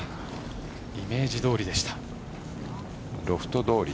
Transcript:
イメージどおりでした。